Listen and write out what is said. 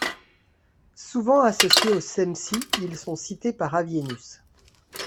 Souvent associés aux Cempsi, ils sont cités par Avienus.